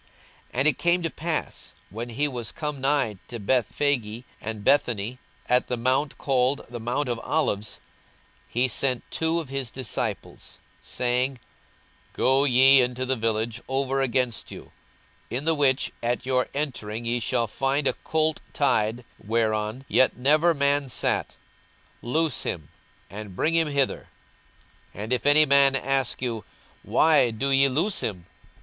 42:019:029 And it came to pass, when he was come nigh to Bethphage and Bethany, at the mount called the mount of Olives, he sent two of his disciples, 42:019:030 Saying, Go ye into the village over against you; in the which at your entering ye shall find a colt tied, whereon yet never man sat: loose him, and bring him hither. 42:019:031 And if any man ask you, Why do ye loose him?